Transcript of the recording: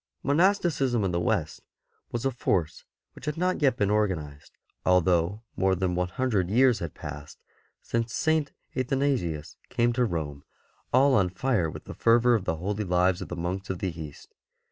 Monasticism in the West was a force which had not yet been organized, although more than one hundred years had passed since St. Athanasius came to Rome all on fire with the fervour of the holy lives of the monks of the East.